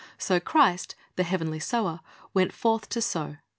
So Christ, the heavenly Sower, went forth to sow.